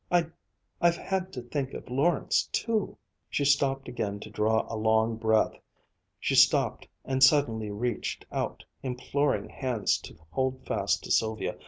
I've had to think of Lawrence too." She stopped again to draw a long breath. She stopped and suddenly reached out imploring hands to hold fast to Sylvia.